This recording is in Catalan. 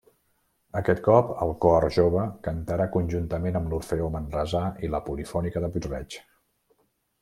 Aquest cop el Cor Jove cantarà conjuntament amb l'Orfeó Manresà i la Polifònica de Puig-reig.